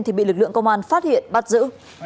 thì bị lực lượng công an phát hiện bắt giữ